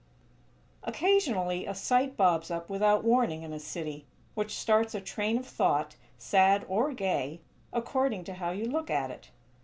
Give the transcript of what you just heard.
XXI Occasionally a sight bobs up without warning in a city, which starts a train of thought, sad or gay, according to how you look at it.